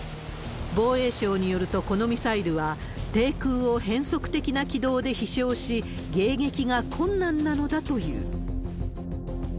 防衛省によると、このミサイルは、低空を変則的な軌道で飛しょうし、迎撃が困難なのだという。